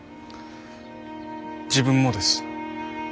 自分もです。